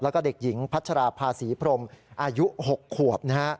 แล้วก็เด็กหญิงพัชราภาษีพรมอายุ๖ขวบนะฮะ